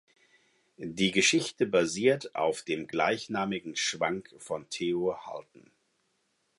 Die Geschichte basiert auf dem gleichnamigen Schwank von Theo Halton.